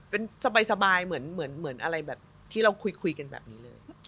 เป็นสบายเหมือนอะไรแบบที่เราคุยกันแบบนี้เลย